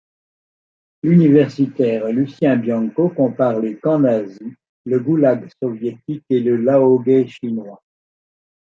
L'universitaire Lucien Bianco compare les camps nazi, le goulag soviétique et le laogai chinois.